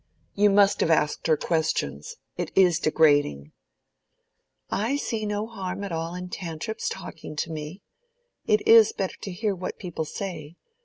"You must have asked her questions. It is degrading." "I see no harm at all in Tantripp's talking to me. It is better to hear what people say.